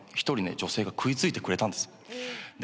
１人ね女性が食い付いてくれたんです。